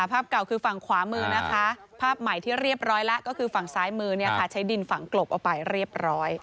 ภาพเก่าคือฝั่งขวามือนะคะภาพใหม่ที่เรียบร้อยแล้วก็คือฝั่งซ้ายมือเนี่ยค่ะใช้ดินฝั่งกลบเอาไปเรียบร้อย